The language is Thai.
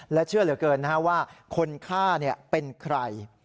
และเชื่อเหลือเกินว่าคนฆ่าเป็นใคร